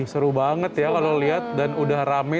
seru banget ya kalau lihat dan udah rame